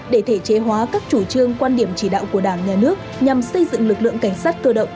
để thể chế hóa các chủ trương quan điểm chỉ đạo của đảng nhà nước nhằm xây dựng lực lượng cảnh sát cơ động